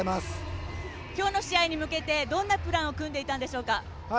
今日の試合に向けてどんなプランを組んでいたんでしょうか？